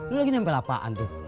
lu lagi nempel apaan tuh